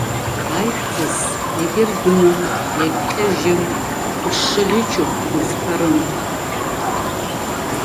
Ажәҵыс иагьардәынам, иагьхьажьым, ишшаӷьычуп узҳәарым.